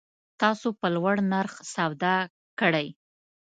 تاسو په لوړ نرخ سودا کړی